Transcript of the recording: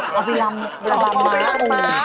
เอาไปลำลำม้าคุณ